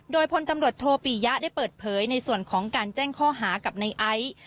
โดยพลตำรวจโทปียะได้เปิดเผยในส่วนของการแจ้งข้อหากับในไอซ์